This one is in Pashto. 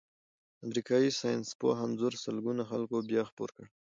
د امریکايي ساینسپوه انځور سلګونو خلکو بیا خپور کړی.